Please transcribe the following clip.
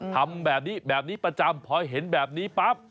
ทำแบบนี้แบบนี้ประจำพอเห็นแบบนี้ปั๊บ